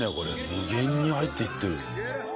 無限に入っていってる。